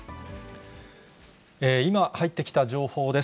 今、入ってきた情報です。